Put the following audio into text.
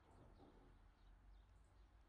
Lo contrario de rigidez es la flexibilidad.